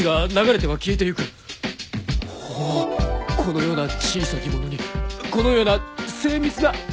おおこのような小さきものにこのような精密な絵が！